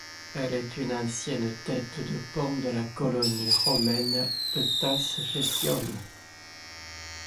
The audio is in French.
Elle est une ancienne tête de pont de la colonie romaine de Tasgetium.